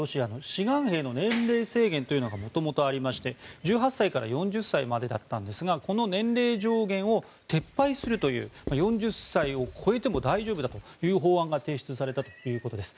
志願兵の年齢制限というのが元々ありまして１８歳から４０歳までだったんですがこの年齢上限を撤廃するという４０歳を超えても大丈夫だという法案が提出されたということです。